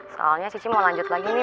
soalnya cici mau lanjut lagi nih